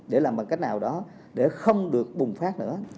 để làm bằng cách nào đó để không được bùng phát nữa